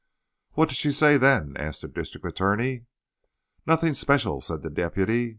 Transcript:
"What did she say then?" asked the district attorney. "Nothing special," said the deputy.